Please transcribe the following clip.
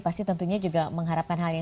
pasti tentunya juga mengharapkan yang lainnya ya